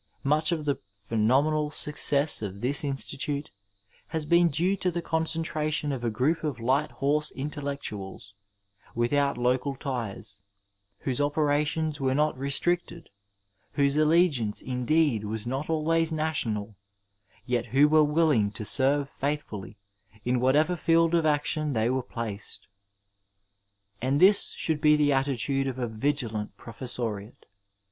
Much of the phenomenal success of this institution has been due to the concentration of a group of light^hofse intellectuals, without local ties, whose opera tions were not restricted, whose allegiance indeed was not always national, yet who were willing to serve faithfully in whatever field of action they were placed. And this should Digitized by Google THE FIXED PERIOD be the attitude of a vigilant professoriate.